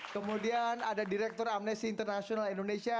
kemudian ada direktur amnesi internasional indonesia